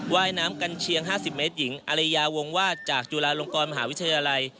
ว่ายน้ำกันเชียง๕๐เมตรหญิงอริยาวงวาดจากจุฬาลงกรมหาวิทยาลัย